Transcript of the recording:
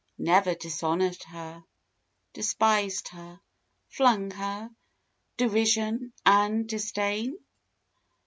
Never dishonored her, despised her, flung her Derision and disdain?